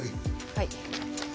はい。